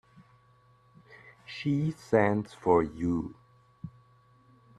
She sends for you.